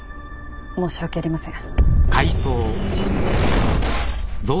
申し訳ありません。